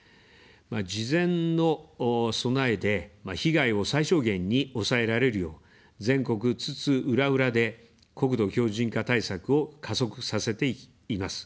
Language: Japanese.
事前の備えで被害を最小限に抑えられるよう、全国津々浦々で国土強じん化対策を加速させています。